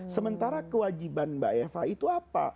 sementara kewajiban mbak eva itu apa